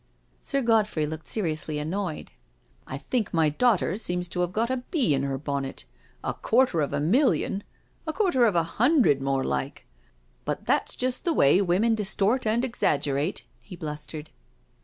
Sir Godfrey looked seriously annoyed. *' I think my daughter seems to have got a bee in her bonnet. A quarter of a million I A quarter of a hundred more like. But that's just the way women distort and exaggerate/' he blustered.